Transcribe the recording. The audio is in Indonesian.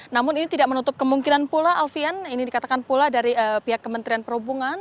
namun ini tidak menutup kemungkinan pula alfian ini dikatakan pula dari pihak kementerian perhubungan